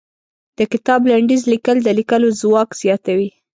د کتاب لنډيز ليکل د ليکلو ځواک زياتوي.